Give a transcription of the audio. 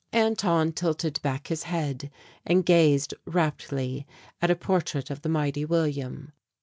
Anton tilted back his head and gazed raptly at a portrait of the Mighty William.